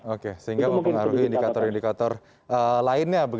oke sehingga mempengaruhi indikator indikator lainnya